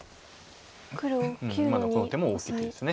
今のこの手も大きい手です。